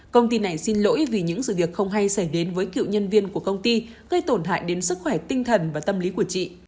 công ty này xin lỗi vì những sự việc không hay xảy đến với cựu nhân viên của công ty gây tổn hại đến sức khỏe tinh thần và tâm lý của chị